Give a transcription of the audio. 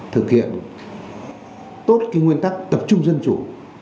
thực hiện tốt nguyên tắc tập trung dân chủ